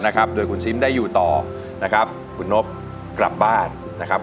นะครับโดยคุณซิมได้อยู่ต่อนะครับคุณนบกลับบ้านนะครับ